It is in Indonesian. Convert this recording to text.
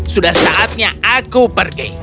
sudah saatnya aku pergi